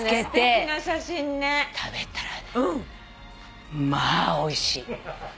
食べたらねまあおいしい。